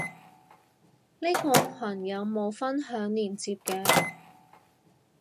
呢個羣有冇分享連接嘅？